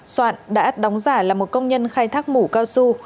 soạn đã đóng giả là một công nhân khai thác mũ cao su